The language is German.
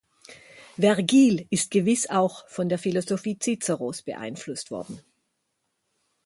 Vergil ist gewiss auch von der Philosophie Ciceros beeinflusst worden.